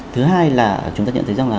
thứ hai là chúng ta nhận thấy rằng